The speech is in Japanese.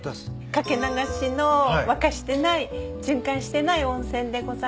掛け流しの沸かしてない循環してない温泉でございます。